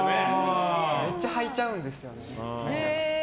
めっちゃ履いちゃうんですよね。